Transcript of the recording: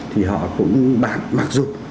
thì họ cũng bàn mặc dù